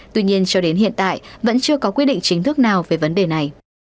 tuy nhiên cho đến hiện tại vẫn chưa có quy định chính thức nào về vấn đề này